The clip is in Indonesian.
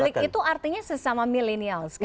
publik itu artinya sesama milenial